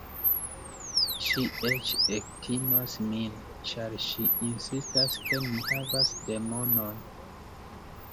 Ŝi eĉ ektimas min, ĉar ŝi insistas ke mi havas demonon.